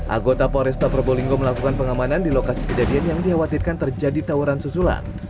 agota poresta probolinggo melakukan pengamanan di lokasi kedadian yang dikhawatirkan terjadi tawuran susulan